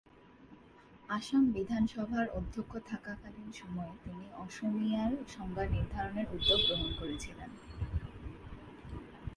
আসাম বিধানসভার অধ্যক্ষ থাকাকালীন সময়ে তিনি "অসমীয়া"র সংজ্ঞা নির্ধারণের উদ্যোগ গ্রহণ করেছিলেন।